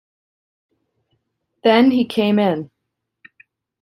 Then he came in.